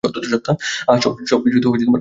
আহ, সবকিছু অনেক দ্রুত ঘটে গেছে।